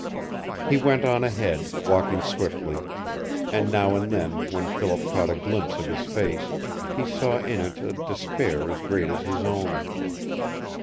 He went on ahead, walking swiftly, and now and then when Philip caught a glimpse of his face he saw in it a despair as great as his own.